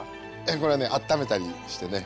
これはねあっためたりしてね